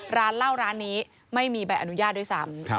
ร้านเหล้าร้านนี้ไม่มีใบอนุญาตด้วยซ้ำ